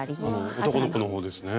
男の子の方ですね。